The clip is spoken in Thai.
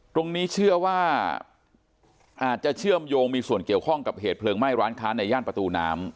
ตรงนี้เชื่อว่าอาจจะเชื่อมโยงมีส่วนเกี่ยวข้องกับเหตุเพลิงไหม้ร้านค้าในย่านประตูน้ำ